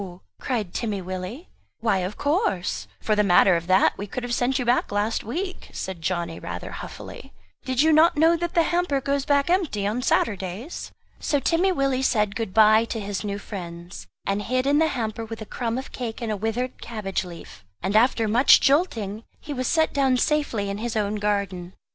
cried Timmy Willie. "Why of course for the matter of that we could have sent you back last week," said Johnny rather huffily "did you not know that the hamper goes back empty on Saturdays?" So Timmy Willie said good bye to his new friends, and hid in the hamper with a crumb of cake and a withered cabbage leaf; and after much jolting, he was set down safely in his own garden.